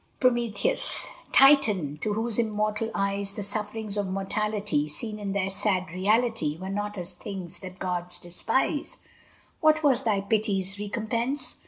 PROMETHEUS I Titan! to whose immortal eyes The sufferings of mortality, Seen in their sad reality, Were not as things that gods despise: What was thy pity's recompense?